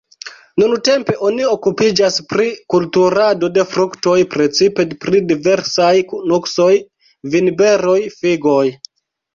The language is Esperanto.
Nuntempe oni okupiĝas pri kulturado de fruktoj, precipe pri diversaj nuksoj, vinberoj, figoj.